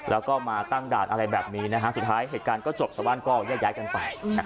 แล้วก็มาตั้งด่านอะไรแบบนี้สุดท้ายเหตุการณ์ก็จบชาวบ้านก็แยกย้ายกันไป